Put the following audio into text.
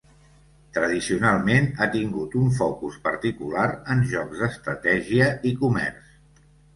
Tradicionalment ha tingut un focus particular en jocs d'estratègia i comerç.